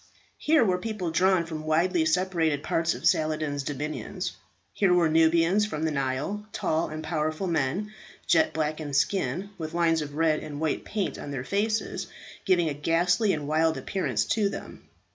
Here were people drawn from widely separated parts of Saladin's dominions. Here were Nubians from the Nile, tall and powerful men, jet black in skin, with lines of red and white paint on their faces, giving a ghastly and wild appearance to them.